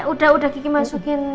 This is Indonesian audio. udah udah kiki masukin